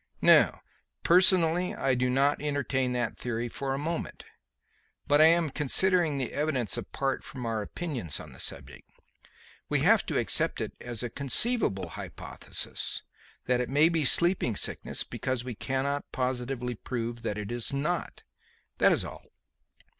"No; personally I do not entertain that theory for a moment. But I am considering the evidence apart from our opinions on the subject. We have to accept it as a conceivable hypothesis that it may be sleeping sickness because we cannot positively prove that it is not. That is all.